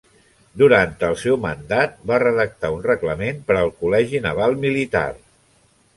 Durant el seu mandat va redactar un reglament per al Col·legi Naval Militar.